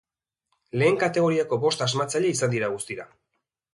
Lehen kategoriako bost asmatzaile izan dira guztira.